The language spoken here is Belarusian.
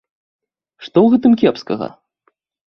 Што ў гэтым кепскага?